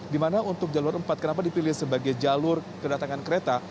dimana untuk jalur empat kenapa dipilih sebagai jalur kedatangan kereta